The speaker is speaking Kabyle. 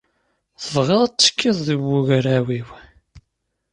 Tebɣiḍ ad tettekkiḍ d wegraw-iw?